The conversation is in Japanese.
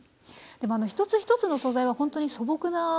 でもあの一つ一つの素材はほんとに素朴なもの